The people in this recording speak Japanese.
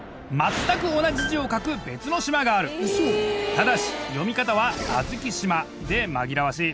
ただし読み方は。で紛らわしい。